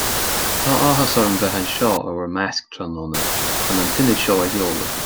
Tá áthas orm bheith anseo i bhur measc tráthnóna chun an tIonad seo a sheoladh